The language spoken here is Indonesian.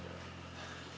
saya kira tidak